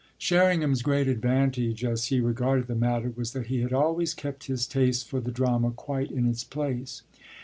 Sherringham's great advantage, as he regarded the matter, was that he had always kept his taste for the drama quite in its place.